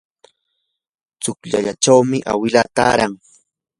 tsukllachawmi awilaa taaran.